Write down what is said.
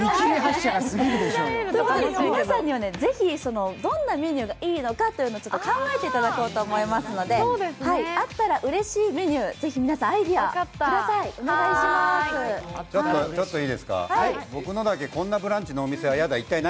皆さんにはぜひ、どんなメニューがいいのかを考えていただこうと思いますので、あったらうれしいメニュー、ぜひアイデアください。